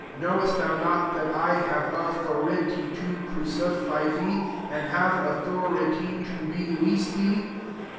knowest thou not that i have authority to crucify thecJ and have authority to releasi thee?"